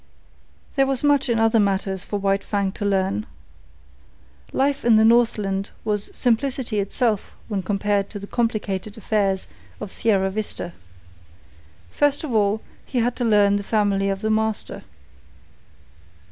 There was much in other matters for White Fang to learn. Life in the Northland was simplicity itself when compared with the complicated affairs of Sierra Vista. First of all, he had to learn the family of the master.